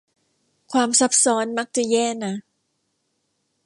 ความซับซ้อนมักจะแย่นะ